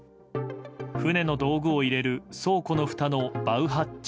船の道具を入れる倉庫のふたのバウハッチ。